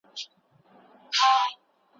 ښځه د ډوډۍ تیاری نیسي.